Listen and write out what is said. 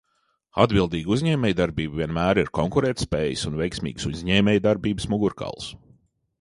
Atbildīga uzņēmējdarbība vienmēr ir konkurētspējas un veiksmīgas uzņēmējdarbības mugurkauls.